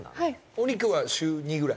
お肉は週２くらい？